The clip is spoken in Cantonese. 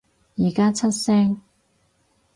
而家出聲